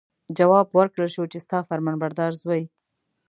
جواب ورکړل شو چې ستا فرمانبردار زوی.